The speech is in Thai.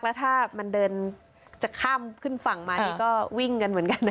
แล้วถ้ามันเดินจะข้ามขึ้นฝั่งมานี่ก็วิ่งกันเหมือนกันนะ